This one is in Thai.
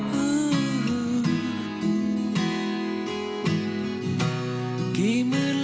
อยู่ในอากาศของเรา